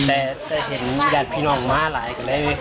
ดะเดะแหวนพี่น้องมาไหทกันเลย